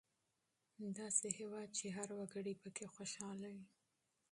داسې هېواد چې هر وګړی پکې خوشحاله وي.